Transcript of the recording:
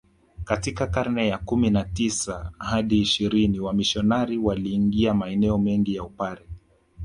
Katika karne ya kumi na tisa hadi ishirini wamisionari waliingia maeneo mengi ya Upare